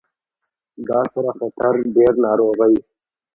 دا سره خطر ډیر ناروغۍ